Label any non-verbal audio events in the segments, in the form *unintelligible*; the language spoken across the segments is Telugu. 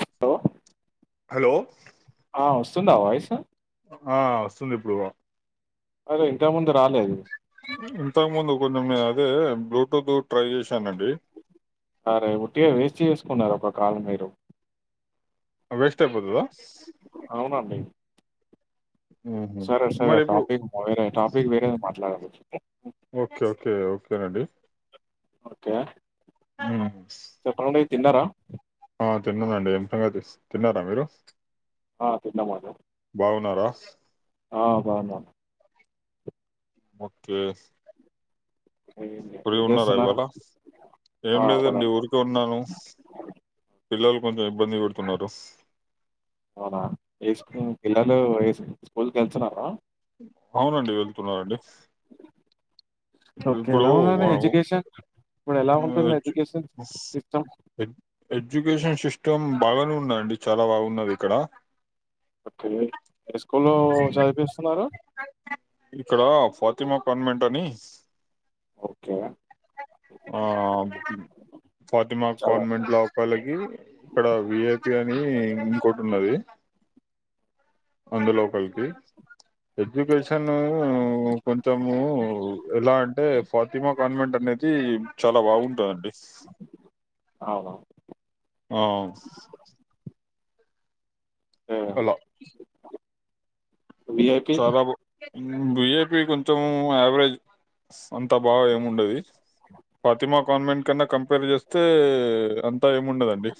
హలో హలో ఆ వస్తుందా వాయిస్ ఆ వస్తుంది ఇప్పుడు అరే ఇంతకు ముందు రాలేదు ఇంతకు ముందు కొంచెం మేల్ ఇది బ్లూటూత్ ట్రై చేశానండి అరే ఉట్టిగా వెస్ట్ చేసేస్ ఉన్నారు ఒక కాలం మీరు వేస్ట్ అపోతుందా అవునండి సరే సరే మరి ఇప్పుడు టాపిక్ వేరే టాపిక్ వేరే మాట్లదాం ఏదండి ఓకే మ్మ్ తిన్నార ఆ తిన్నానండి ఎంతగా *unintelligible* తిన్నారా మీరు ఆ తిన్నామండి *inaudible* ఆ బాగున్నా ఓకే ఏం ఫ్రీ ఏం ఉండదా చేస్తున్నారు ఇవాళ ఏం ఆ లేదండి అవునండి ఊరికే ఉన్నాను పిల్లలు కొంచెం ఇబ్బంది పడు తున్నారు అవునా ఏ స్కు పిల్లలు ఏ స్కూల్కి వెళ్తున్నార అవునండి వెళ్తున్నారండి ఓకే ఇప్పుడు ఎలా ఉందండి *unintelligible* ఎడ్యుకేషన్ ఇప్పుడు ఎలా ఉంటుంది age education system education system బాగానే ఉన్నారండి చాలా బాగున్నది ఇక్కడ ఓకే ఏ స్కూల్లో చదివిపిస్తున్నారు ఇక్కడ ఫాతిమా కార్మెంట్ అని ఓకే ఆ ఫాతిమా చాలా కాన్వెంట్ లో కలిగి ఇక్కడ విఐపి అని ఇంకోటి ఉన్నది అందు లోకలికి ఎడ్యుకేషను కొంచెము ఎలా అంటే ఫాతిమా కాన్వెంట్ అనేది చాలా బాగుంటుందండి అవునా ఆ అలో విఐపీ బీఏపీ కొంచెం యావరేజ్ అంతా బాగా ఏముండదు ఫాతిమా కాన్వెంట్ కన్నా కంపేర్ చేస్తే అంతా ఏముండదండి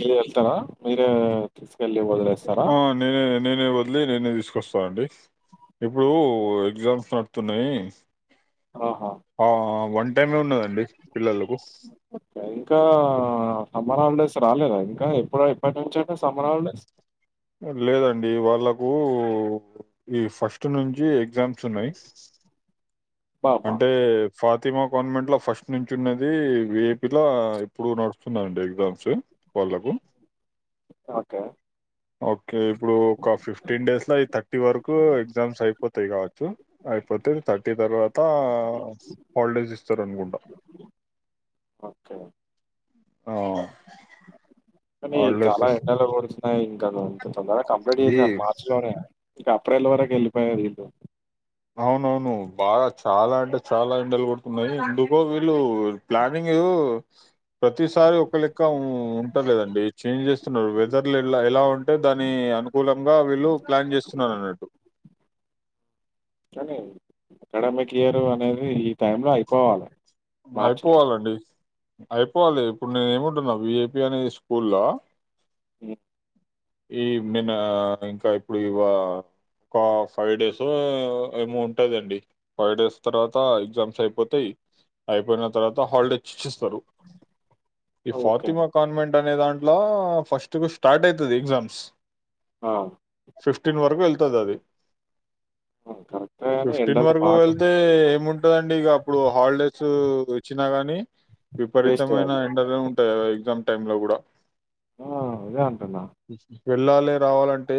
ఏయు వెళ్తావ మీరు ఎళ్లి వదిలేస్తార ఆ! నేనే, నేనే వదిలి నేనే తీసుకొస్తాను అండి ఇప్పుడు ఎగ్జామ్స్ నడుత్తున్నాయి ఆహా టైమే ఉన్నదండి పిల్లలకు. ఇంకా సమ్మర్ హాలిడేస్ రాలేద ఇంకా ఎప్పుడై లేదండి వాళ్ళక్ కు ఈ ఫస్ట్ నుంచి ఎగ్జామ్స్ ఉన్నాయి అబ్బబ్బా! అంటే ఫాతిమా కాన్వెంట్లో ఫస్ట్ నుంచి ఉన్నది విఐపిలో ఇప్పుడు నడుస్తున్నండి ఎగ్జామ్స్ వాళ్ళకు ఒకే ఒకే ఇప్పుడు ఒక ఫిఫ్టీన్ డేస్లో అవి థర్టీ వరకు ఎగ్జామ్స్ అయిపోతాయి కావచ్చు అయిపోతే థర్టీ తర్వాత హాలిడేస్ ఇస్తరు అనుకుంటా కనీ హాలిడేస్ చాలా ఇస్ ఎండలు కోడుతూన్నాయి గను అంతటి తొందరగ కంప్లీట్ ఇది చేసారు మార్చ్ లోనే ఏప్రిల్ వరకు వెళ్ళిపోయలు వీళ్లు అవునవును బాగా చాలా అంటే చాలా ఎండలు కొడుతున్నాయి ఎందుకో వీళ్ళు ప్లానింగు ప్రతిసారి ఒక లెక్క ఉంటలేదండి చేంజ్ చేస్తున్నారు వెదర్లు ఎలా ఎలా ఉంటే దాని అనుకూలంగా వీళ్ళు ప్లాన్ చేస్తున్నారు అన్నట్టు కనీ అకాడమిక్ ఇయరు అనేది ఈ టైమ్ లో అయిపోవాలే అయిపోవాలండి అయిపోవాలి ఇప్పుడు నేనే ఏముంటున్నా విఐపి అనే స్కూల్ల హ్మ్ ఈ నిన్న ఇంకా ఇప్పుడు ఇవా ఒక ఫైవ్ డేస్ ఏమో ఉంటదండి ఫైవ్ డేస్ తర్వాత ఎగ్జామ్స్ అయిపోతాయి అయిపోయిన తర్వాత హాలిడేస్ ఇచ్ తరు ఈ ఓకే. ఫాతిమా కాన్వెంట్ అనే దాంట్ల ఫస్ట్ కు స్టార్ట్ అయితది ఎగ్జామ్స్ ఆ ఫిఫ్టీన్ వరకు వెళ్తది అది ఆ! కరెక్టే గాని ఫిఫ్టీన్ ఎండలు వరకు బాగా వెళ్తే ఏముంటదండి ఇగ అప్పుడు హాలిడేస్ చు వచ్చిన గాని వేస్టే విపరీతమైన అది. ఎండలు ఉంటాయి గాద ఎగ్జామ్ టైమ్ లో గూడ ఆ అదే అంటున్న వెళ్ళాలి రావాలంటే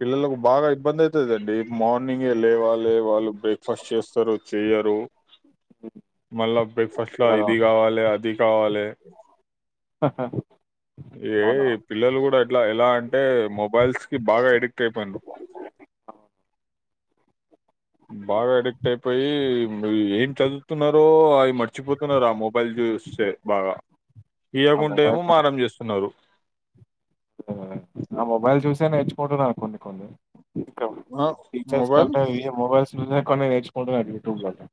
పిల్లలకు బాగ ఇబ్బంది అయ్తదండి మార్నింగ్ లెయ్యలే వాళ్ళి వాళ్ళు బ్రేక్ఫాస్ట్ చేస్తారు చెయ్యరు హ్మ్. మళ్ళా బ్రేక్ఫాస్ట్ లో నిద్రలో ఇది కావాలే అది కావాలే ఏ అవునా! పిల్లలు కూడ ఎట్లా ఎలా అంటే మొబైల్స్ కి బాగా అడిక్ట్ అయిపోయింరు ఆ! బాగ అడిక్ట్ అయిపోయి ఏం చదువుతున్నారో అవి మార్చ్ చ్చిపోతున్నారు ఆ మొబైల్ చూస్తే బాగ ఆ ఇయకుంటే ఏమో మొబైల్‌లో మారం చేస్తున్నారు నేర్చుకుంటున్నారు కొన్ని కొన్ని ఆ టిచర్స్ మొబైల్ కంటే ఇ మొబైల్స్ నేనే కొన్ని నేర్చుకుంటున యూట్బూబ్ ల లో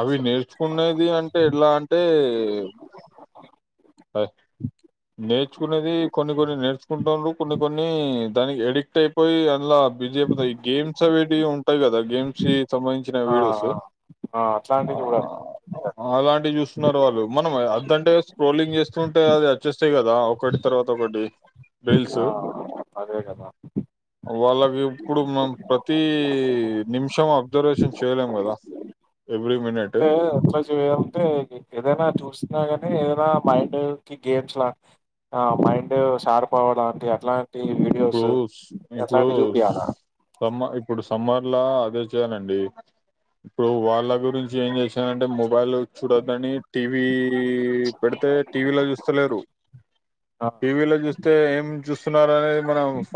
అవి నేర్చుకునేది అంటే ఎలా అంటే అదే నేర్చుకునేది కొన్ని కొన్ని నేర్చుకుంటురు కొన్ని కొన్ని దానికి ఎడిక్ట్ అయిపోయి అందాల బిజి అయిపోతారు ఇ గేమ్ చవేటి ఉంటయి గదా గేమ్స్ సంబంధించిన ఆ వీడియోస్ ఆ ఆ! ఆ అట్లాంటివి చూడాలి అలాంటి చూ న్నారు వాళ్ళు మనం అద్దంటేస్ ట్రోలింగ్ చేస్తుంటే అది అచ్చేస్తయి గదా ఒకటి తర్వాత ఒకటి రీల్స్ ఆ అదే గదా వాళ్ళకి ఇప్పుడు మనం ప్రతీ నిమిషం అబ్జర్వేషన్ చేయలేం కదా ఎవ్రీ మినిటు అంటే మొబైల్స్ వేయాలంటే ఏదైనా చూసినా గాని ఏ అలా మైండ్ కి గేమ్స్ లా ఆ మైండు షార్ప్ అవ్వడానికి అట్లా టి ఇప్పుడు వీడియోసు స్- ఇప్పుడు అట్లాంటి చూపియాలా సమ్మ ఇప్పుడు సమ్మర్లా అదే చేయాలండి ఇప్పుడు వాళ్ళ గురించి ఏం జేసి ఏ అంటే మొబైల్ చూడొద్దని టీవీ పెడితే టీవీలో చూస్తలేరు ఆ టీవీలో చూస్తే ఏం చూస్తున్నారని మనం ఫ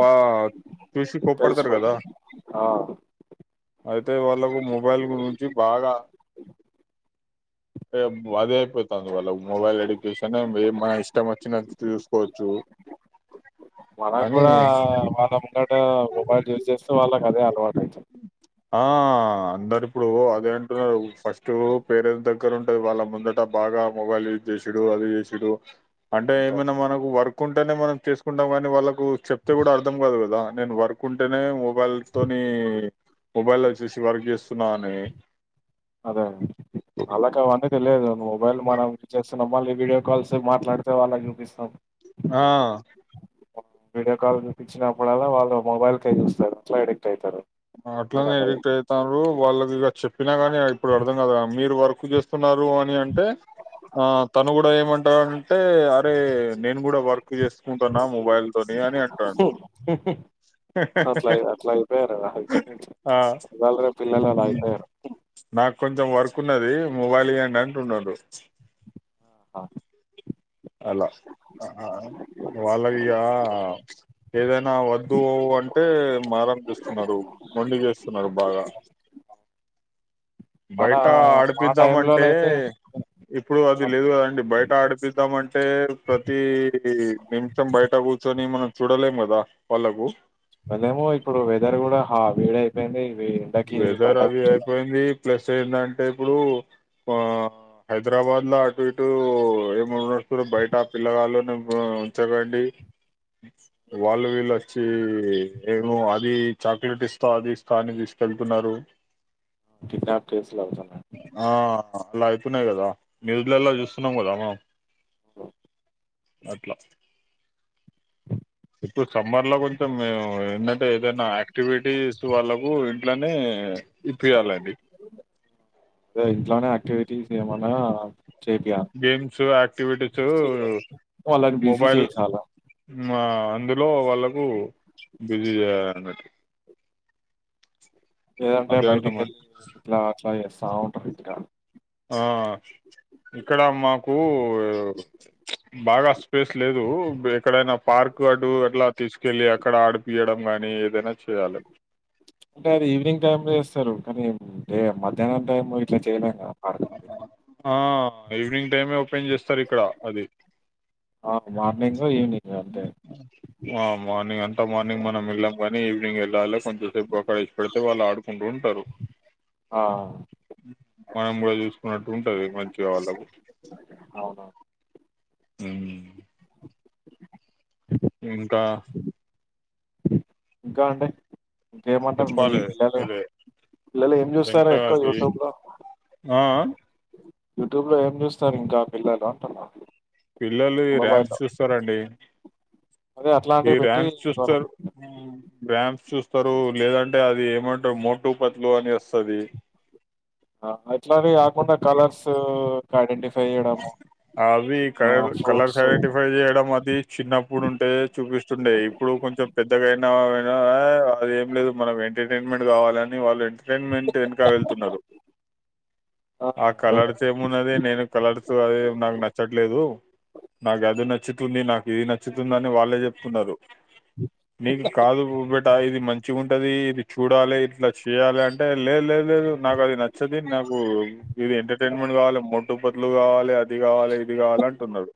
చూసి కోప్పడతారు గదా తెలిసిపోతుంది ఆ అయితే వాళ్ళకు మొబైల్ గురించి బాగా అదే అయిపోతుంది వాళ్ళ మొబైల్ ఎడ్యుకేషన్ ఏం మన ఇష్టం వచ్చినట్టు చూసుకోవచ్చు అని కూడా వాళ్ళ ముంగ కుడామొబైల్ యూజ్ చేస్తే వాళ్ళ అదే అలవాట్ ఆ అందరు ఇప్పుడు అదే అంటున్నరు ఫస్ట్ పేరెంట్స్ దగ్గర ఉంటది, వాళ్ళ ముందట బాగా మొబైల్ యూజ్ జేసుడు అది జేసుడు. అంటే అంతే ఏమైనా మనకు వర్ కుంటనే మనం చేసుకుంటాం గానీ వాళ్ళకు చెప్తే గూడా అర్థం కాదు గదా, నేను వర్క్ ఉంటేనే మొబైల్ తోని, మొబైల్ వచ్చేసి వర్క్ చేస్తున్నా అని అదే ఆల్లకవన్నీ తెలియదు మొబైల్ మనం ఇచ్చెస్ మళ్ళీ వీడియో కాల్స్ మాట్లాడితే వాళ్ళని చూపిస్తాం ఆ వీడియో కాల్ చూపించినప్పుడల్ల వాళ్ళు మొబైల్ కేయ్ చూస్తరు అట్లా ఎడిక్ట్ అయితరు ఆ అట్లనే ఎడిక్ట్ అయితాండ్రు వాళ్ళకి ఇగ చెప్పినా గాని ఇప్పుడు అర్థం గాదుగా మీరు వర్క్ జేస్తున్నారు అని అంటే ఆ తను గూడా ఏమంటారంటే అరే, నేను కూడా వర్క్ చేసుకుంటున్నా మొబైల్ తోని అని అంటండు. అట్లా అయిపోయారు ఆ ఇవాళ రేపు మ్మ్ పిల్లలు అలా హ్మ్ అయిపోయారు బా కొంచెం వర్ కున్నది మొబైల్ ఇయ్యి అంటుండడు ఆహ అలా వాళ్ళకి ఇగ ఏదైనా వద్దు అంటే మారంచేస్తున్నారు మొండి చేస్తున్నారు బాగా మన బయట మా టైమ్ ఆడిపిద్దామంటే లోనయితే ఇప్పుడు అది లేదు కదండి బయట అడుపిద్దామ్ అంటే ప్రతి నిమిషం బయట కూర్చొని మనం చూడలేం కదా వాళ్ళకు అదేమో ఇప్పుడు వెదర్ కూడా హా వేడి అయిపోయింది వెదరది అయిపోయింది ప్లస్ చేసిన అంటే ఇప్పుడు హైదరాబాద్ల అటు ఇటు ఎమ్ నడుస్తుంది అంటే బయట పిల్లగాళ్ళని ఉంచకండి వాళ్ళు వీళ్ళు వచ్చి ఏమో అది చాక్లెట్ ఇస్తా అది ఇస్తా అని తీస్ ఎళ్తున్నారు కిడ్నాప్ కేస్ ఆ అట్ల అయితున్నాయి కదా న్యూస్లల్లా చూస్తున్నాం కదా మ అట్ల ఇప్పుడు సమ్మర్లో కొంచెం అంటే ఏదైనా యాక్టివిటీస్ వాళ్ళకు ఇట్లనే ఇప్పియ్యాలండి ఇదిగో ఇంట్లనే యాక్టివిటీస్ ఏమన్నా చేపియాలి గేమ్స్ యాక్టివిటీసు వాళ్ళని బిజీ మొబైల్ చేసాల ఆ అందులో వాళ్ళకు బిజీ చేయాలిన్నట్టు లేదంటే అదే బయటికి అర్థమై వెళ్ళి ఇట్లా అప్లై చేస్తారు బావుంటది ఇక్కడ ఆ ఇక్కడ మాకు బాగా స్పేస్ లేదు ఎక్కడైనా పార్క్ అటు అట్లా తీసుకెళ్ళి అక్కడ ఆడిపియడం గానీ ఏదైనా చేయాలి అంటే ఈవినింగ్ టైమ్ చేస్తరు కాని ఏ మధ్యాహ్నం టైము ఇట్లా చేయలేం కదా పార్కుకి. ఆ ఈవినింగ్ టైమే ఓపెన్ చేస్తారు ఇక్కడ అది ఆ! మార్నింగు, ఈవినింగు అంతే. మార్నింగ్ అంతా మార్నింగ్ మనం వెళ్ళి ప నె ఈవినింగ్ వెళ్ళాలి కొంచె సేపు అక్కఇసి పెడితే వాళ్ళ ఆడు ఉంటుంటారు ఆ! మనం గూడా చూసుకున్నట్టు ఉంటది మంచిగా వాళ్ళకు అవును. రాములు ఎంకా ఇంక అంటే ఇంకేమంటారు మీ చెప్పాలి పిల్లలూ మీరే పిల్లలు ఏం చూస్తారు ఎక్కువ యూట్యూబ్ లో ఆ యూట్యూబ్ లో ఏం చూస్తారు ఇంక పిల్లలు అంటున్నా పిల్లలు ఇ ర్యామ్స్ మొబైల్‌లో. చూస్తారండి అదే ఈ అట్లాంటివి పెట్టి ర్యామ్స్ చూస్తరు వాళ్ళకి ర్యామ్స్ చూస్తారు లేదంటే అదీ మోటు మోటు పత్లు అని వస్తది ఆ అట్లనే కాకుండ కలర్స్ ఐడెంటిఫై చేయడము. అవి కలర్ ఆహ్, కలర్స్ ఫ్రూట్స్ ఐడెంటిఫై చేయడం అది చిన్నప్పుడు ఉంటే చూపిస్తుండే ఇప్పుడు కొంచెం పెద్దగయిన నా విగా ఐ అది ఏం లేదు మనం ఎంటర్టైన్మెంట్ కావాలని వాళ్ళు ఎంటర్టైన్మెంట్ వెనక వెళ్తున్నరు ఆ అదే కలర్స్ కదా! ఏమున్నది నేను *unintelligible* అదే నాకు నచ్చట్లేదు నాకు అది నచ్చుతుంది నాకు ఇది నచ్చుతుంది అని వాళ్ళే చెప్తున్నారు నీకు కాదు *unintelligible* ట ఇది మంచి గుంటది ఇది చూడాలి ఇట్లా చేయాలి అంటే లే లే లేదు నాకు అది నచ్చది నాకు ఇది ఎంటర్టైన్మెంట్ కావాలి దుప్పట్లు కావాలి ది కావాలి ఇది కావాలి అంటున్నారు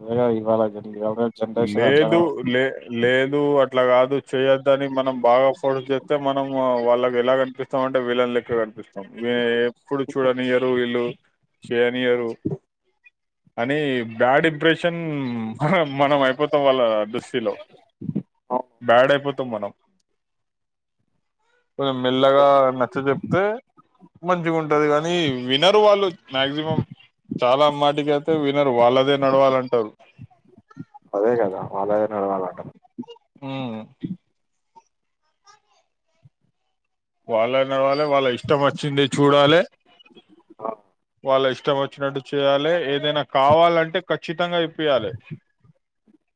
అదే కదా! ఇవాళ జన్ ఇవాళ జనరేషన్ అట్లనే లేదు లె లేదు అట్ల కాదు చేయొద్దని మనం బాగ ఫోర్స్ చేస్తే మనం వాళ్ళకి ఎలా కనిపిస్తాము అంటే విలన్ లెక్క కనిపిస్ వే ఎప్పుడు చూడనియ్యరు వీళ్లు చెయ్యనియ్యరు అనీ బ్యాడ్ ఇంప్రెషన్ ఆహా మనం అయిపో వాళ్ళ దృష్టి లొ ఉంది. బ్యాడ్ అయిపో తో మనం కొంచెం మెల్లగ నచ్చ చెెప్తే మంచిగ ఉంటది కానీ వినరు వాళ్ళు మాక్సిమం చాల మాటిక అయితే వినరు వాళ్ళదే నడవాలంటరు అదే కద వాళ్లదే నడవాలంటరు హ్మ్ వాళ్ళన్న వాళ్లే వాళ్ళ ఇష్ ఇష్టం వచ్చింది చుడాలె ఆ, వాళ్ళ వచ్చినట్టు చేయాలె ఏదైన కావాలంటే ఖచ్చి తంగా యిప్పియాలే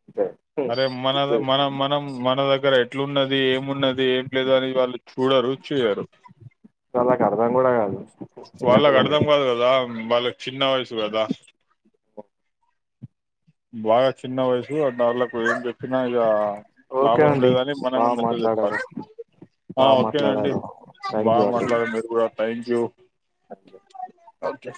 అంతే అరే మన హ్మ్. మన మనం మన ద దగ్గర ఎట్లున్నది ఏం ఉన్నది ఏం లేదు అని వాళ్ళు చూడరు చేయరు వాళ్ల కు అర్థం కూడ కాదు వాళ్ళకి చిన్నపిల్లలు అర్థం కదా కాదు వాళ్ళకి చిన్న వయసు కదా బాగ చిన్న వయసు అ వాళ్ళకు ఏం చెప్పిన ఇగా ఒకే అండి బా మాట్లాడారు బా మాట్లాడారు బా థ్యాంక్ యూ అండి మాట్లాడారు మీరు కూడా thank you thank you okay